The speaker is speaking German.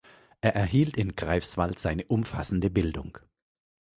Er erhielt in Greifswald seine umfassende Bildung.